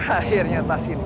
akhirnya atas ini